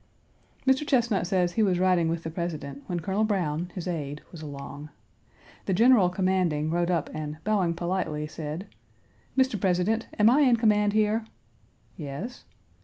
Mr. Chesnut says he was riding with the President when Colonel Browne, his aide, was along. The General commanding rode up and, bowing politely, said: "Mr. President, am I in command here?" "Yes."